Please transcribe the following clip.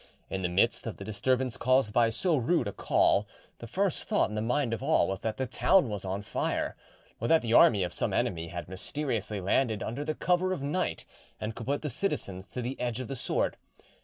In the midst of the disturbance caused by so rude a call the first thought in the mind of all was that the town was on fire, or that the army of some enemy had mysteriously landed under cover of night and could put the citizens to the edge of the sword.